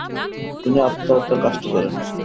তিনি আত্মহত্যার কাজটি করেন।